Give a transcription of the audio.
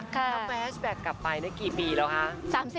ถ้าแฟชแบ็คกลับไปกี่ปีแล้วคะ